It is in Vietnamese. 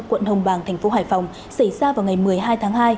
quận hồng bàng tp hải phòng xảy ra vào ngày một mươi hai tháng hai